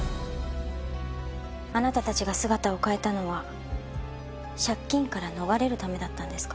あなたたちが姿を変えたのは借金から逃れるためだったんですか？